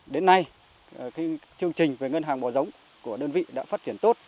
đến nay chương trình về ngân hàng bò giống của đơn vị đã phát triển tốt